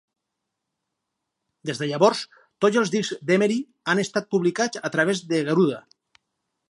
Des de llavors, tots els discs d'Emery han estat publicats a través de Garuda.